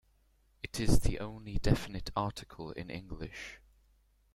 It is the only definite article in English.